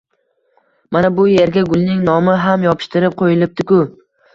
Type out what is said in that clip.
Mana bu erga gulning nomi ham yopishtirib qo`yilibdi-ku